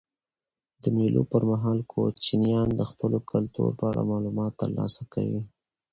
د مېلو پر مهال کوچنيان د خپل کلتور په اړه معلومات ترلاسه کوي.